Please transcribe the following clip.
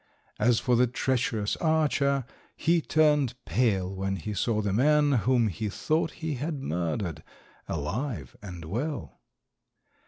As for the treacherous archer, he turned pale when he saw the man, whom he thought he had murdered, alive and well.